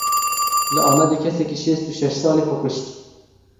Li Amedê kesekî şêst û şeş salî xwe kuşt.